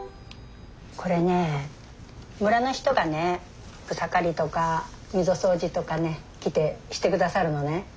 これね村の人がね草刈りとか溝掃除とかね来てして下さるのね。